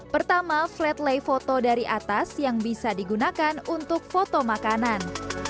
pertama flat lay foto dari atas yang bisa digunakan untuk foto makanan